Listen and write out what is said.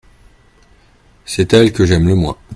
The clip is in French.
C’est elle que j’aime le moins.